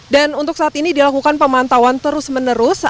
dan untuk saat ini dilakukan pemantauan terus menerus